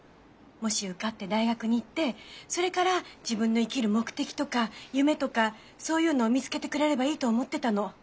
もし受かって大学に行ってそれから自分の生きる目的とか夢とかそういうのを見つけてくれればいいと思ってたの。